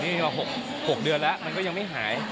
นี่มา๖เดือนแล้วมันก็ยังไม่หาย